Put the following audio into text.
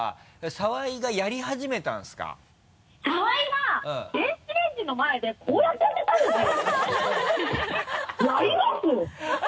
澤井は電子レンジの前でこうやってやってたんですよ！